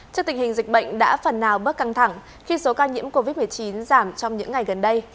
trước tình hình dịch bệnh đã phần nào bước căng thẳng khi số ca nhiễm covid một mươi chín giảm trong những ngày gần đây